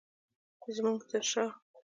زمونږ تر شاه